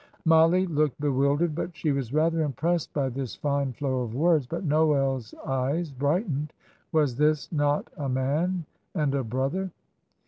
Mollie looked bewildered, but she was rather impressed by this fine flow of words, but Noel's eyes brightened. "Was this not a man and a brother?"